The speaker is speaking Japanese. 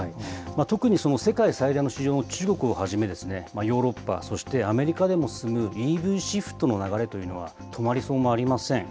特に世界最大の市場の中国をはじめですね、ヨーロッパ、そしてアメリカでも進むＥＶシフトの流れというのは、止まりそうもありません。